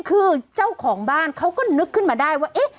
เข้าก็ขึ้นมาได้ว่า